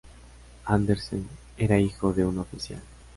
Andersen era hijo de un oficial.